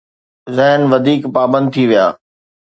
ذهن وڌيڪ پابند ٿي ويا.